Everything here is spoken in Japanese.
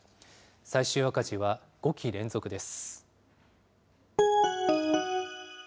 最終赤字は５期連続です。